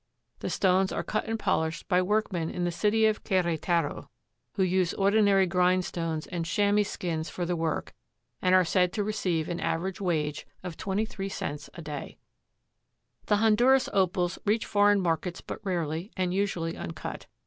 The stones are cut and polished by workmen in the city of Queretaro who use ordinary grind stones and chamois skins for the work and are said to receive an average wage of 23 cents a day. The Honduras Opals reach foreign markets but rarely and usually uncut.